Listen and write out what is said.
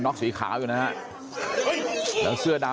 น้าสาวของน้าผู้ต้องหาเป็นยังไงไปดูนะครับ